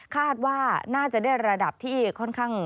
คาดว่าน่าจะได้ระดับที่ค่อนข้าง